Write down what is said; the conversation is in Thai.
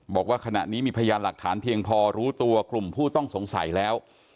บอกว่าขณะนี้มีพยานหลักฐานเพียงพอรู้ตัวกลุ่มผู้ต้องสงสัยแล้ว